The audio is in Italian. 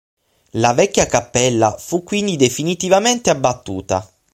La vecchia cappella fu quindi definitivamente abbattuta.